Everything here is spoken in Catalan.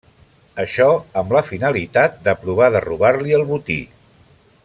Això amb la finalitat de provar de robar-li el botí.